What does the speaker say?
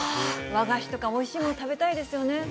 和菓子とか、おいしいもの食べたですね。